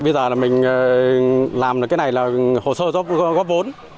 bây giờ là mình làm cái này là hồ sơ góp vốn